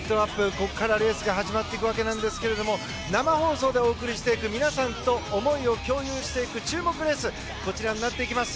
ここからレースが始まっていくんですが生放送でお送りしていく皆さんと思いを共有していく注目レースがこちらになります。